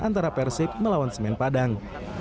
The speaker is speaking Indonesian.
antara persib melawan semen padang